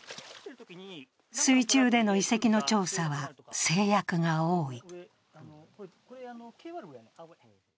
水中での遺跡の調査は制約が多い。